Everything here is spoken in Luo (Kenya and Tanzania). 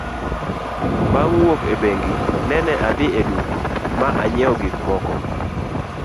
Bang' wuok e bengi, nene adhi e duka ma anyiewo gik moko.